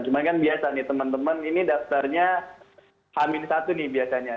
cuma kan biasa nih teman teman ini daftarnya hamin satu nih biasanya